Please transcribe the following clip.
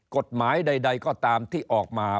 กฎหมายใดก็ตามที่ออกมา